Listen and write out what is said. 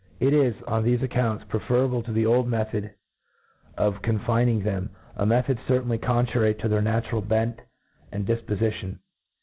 It is, on thefe accounts, preferable to the ofd method of con fining them J a method certainly contrary to their natural bent and difpolition.